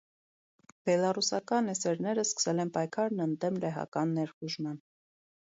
Բելառուսական էսերները սկսել են պայքարն ընդդեմ լեհական ներխուժման։